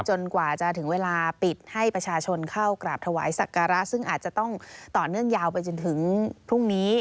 กว่าจะถึงเวลาปิดให้ประชาชนเข้ากราบถวายสักการะซึ่งอาจจะต้องต่อเนื่องยาวไปจนถึงพรุ่งนี้